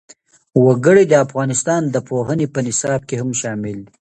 وګړي د افغانستان د پوهنې په نصاب کې هم شامل دي.